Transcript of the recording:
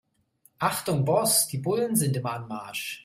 Achtung Boss, die Bullen sind im Anmarsch.